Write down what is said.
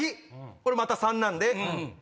これまた３なんで。